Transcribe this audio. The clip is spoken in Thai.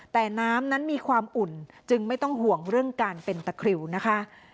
แต่น้ำนั้นมีความอุ่นจึงไม่ต้องห่วงเรื่องการเป็นตะคริวนะคะ